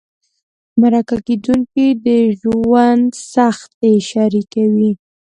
مرکه کېدونکي د ژوند سختۍ شریکوي.